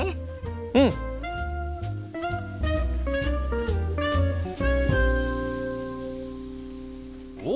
うん！おっ！